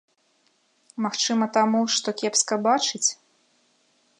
Магчыма таму, што кепска бачыць?